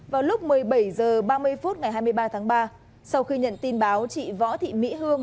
vào lúc một mươi bảy h ba mươi phút ngày hai mươi ba tháng ba sau khi nhận tin báo chị võ thị mỹ hương